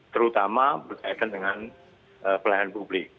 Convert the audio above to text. terutama berkaitan dengan pelayanan publik